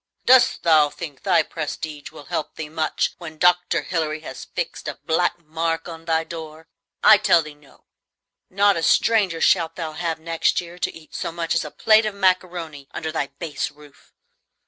Dost thou think thy prestige will help thee much when Dr. Hilary has fixed a black mark on thy door! I tell thee no; not a stranger shalt thou have next year to eat so much as a plate of macaroni under thy base roof!